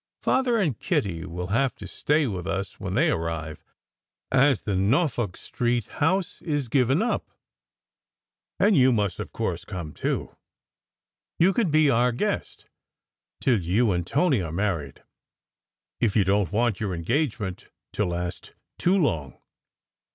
Father and Kitty will have to stay with us when they arrive, as the Norfolk Street house is given up; and you must of course come, too. You can be our guest till you and Tony are married, if you don t want your engagement to last too long."